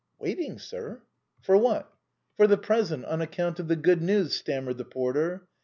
" Waiting, sir." "For what?" " For the present, on account of the good news," stam mered the porter.